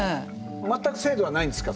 全く制度はないんですか？